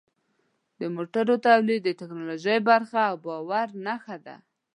د موټرو تولید د ټکنالوژۍ پرمختګ او د باور نښه ده.